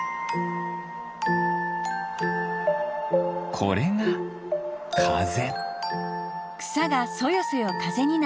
これがかぜ。